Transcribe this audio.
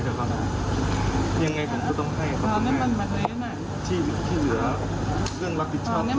ว่าเขามันก็ว่าแบบลูกเขามีข้าวมากกว่านี้